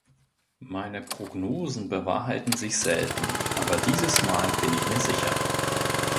Meine Prognosen bewahrheiten sich selten, aber dieses Mal bin ich mir sicher.